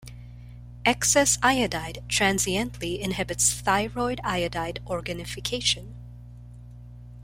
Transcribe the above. Excess iodide transiently inhibits thyroid iodide organification.